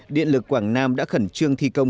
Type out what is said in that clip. điện lực quảng nam đã khẩn trương thi công